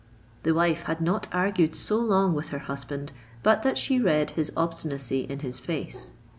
The wife had not argued so long with her husband, but that she read his obstinacy in his face.